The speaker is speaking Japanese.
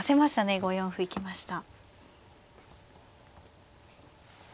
５四歩行きました。